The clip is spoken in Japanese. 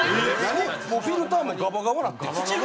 もうフィルターもガバガバなってるんですよ。